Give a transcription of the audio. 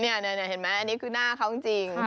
นี่อันนี้คือน่าปัวจริง